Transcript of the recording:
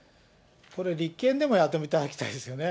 これ、立憲でもやっていただきたいですよね。